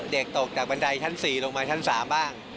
ตกจากบันไดชั้น๔ลงมาชั้น๓บ้าง